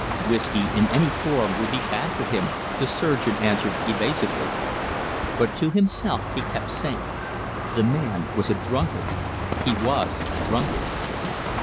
"Whiskey in any form would be bad for him," the surgeon answered evasively. But to himself he kept saying: "The man was a drunkard he was a drunkard."